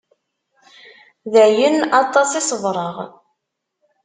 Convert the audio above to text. D ayen, aṭas i ṣebreɣ.